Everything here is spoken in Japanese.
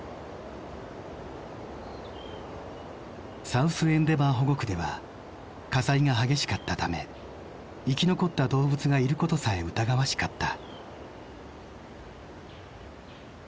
サウス・エンデバー保護区では火災が激しかったため生き残った動物がいることさえ疑わしかった。